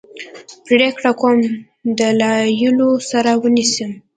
پرېکړه کوم دلایلو سره ونیسي.